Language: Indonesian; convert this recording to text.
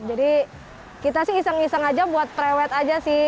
jadi kita sih iseng iseng aja buat prewet aja sih